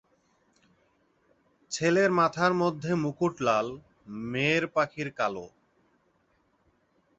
ছেলের মাথার মধ্যে মুকুট লাল, মেয়ের পাখির কালো।